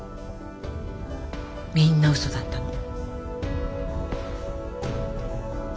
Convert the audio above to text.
みんな嘘だったの。